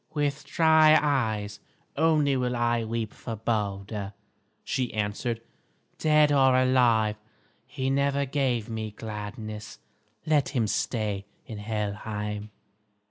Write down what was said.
"With dry eyes only will I weep for Balder," she answered. "Dead or alive, he never gave me gladness. Let him stay in Helheim."